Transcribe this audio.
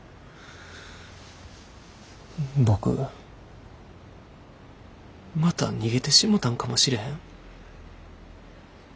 僕また逃げてしもたんかもしれへん。